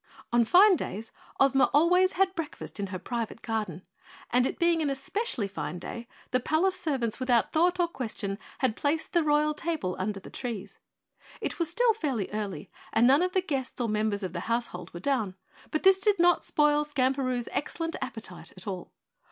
On fine days Ozma always had breakfast in her private garden, and it being an especially fine day, the palace servants without thought or question had placed the royal table under the trees. It was still fairly early and none of the guests or members of the household were down, but this did not spoil Skamperoo's excellent appetite at all.